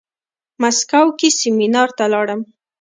مسکو کې سيمينار ته لاړم.